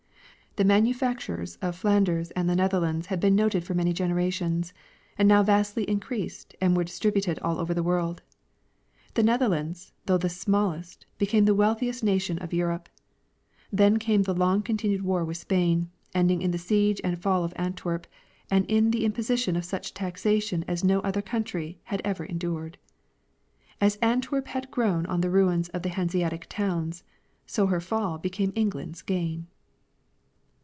The manufact ures of Flanders and the Netherlands had been noted for many generations, and now vastly increased and were distributed all over the world. The Netherlands, though the smallest, be came the wealthiest nation of Europe. Then came the long continued war with Spain, ending in the siege and fall of Ant werp and in the imposition of such taxation as no other country had ever endured. As Antwerp had grown on the ruins of the Hanseatic towns, so her fall became England's gain.